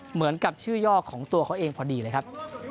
เหมือนกับชื่อย่อของตัวเขาเองพอดีเลยครับ